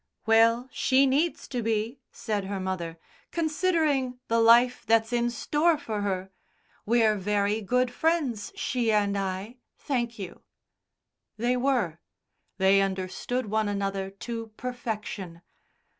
"Well, she needs to be," said her mother, "considering the life that's in store for her. We're very good friends, she and I, thank you." They were. They understood one another to perfection.